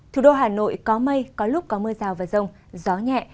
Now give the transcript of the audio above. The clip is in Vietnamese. thủ đô hà nội có mây có lúc có mưa rào và rông gió nhẹ